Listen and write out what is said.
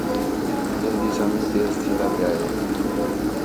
جلدی ساں مینہ تیز تِھین٘دا پِیا ہِے